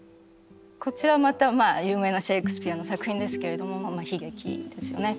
こちらまた有名なシェークスピアの作品ですけれども悲劇ですよね。